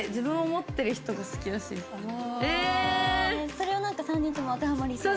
それはなんか３人とも当てはまりそう。